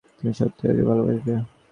তুমি সত্যিই ওকে ভালোবাসো।